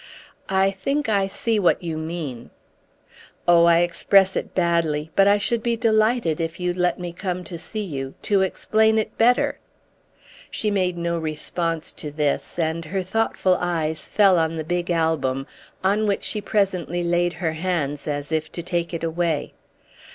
"I think I see what you mean." "Oh I express it badly, but I should be delighted if you'd let me come to see you—to explain it better." She made no response to this, and her thoughtful eyes fell on the big album, on which she presently laid her hands as if to take it away.